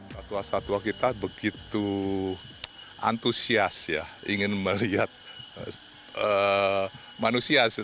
satwa satwa kita begitu antusias ya ingin melihat manusia